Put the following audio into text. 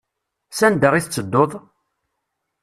S anda i tettedduḍ?